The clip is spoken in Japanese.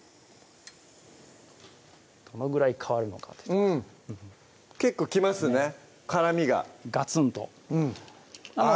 どのぐらい変わるのかうん結構きますね辛みがガツンとうんあぁ